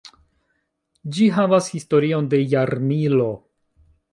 Ĝi havas historion de jarmilo.